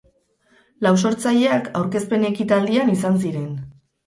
Lau sortzaileak aurkezpen ekitaldian izan ziren.